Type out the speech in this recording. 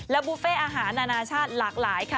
บุฟเฟ่อาหารนานาชาติหลากหลายค่ะ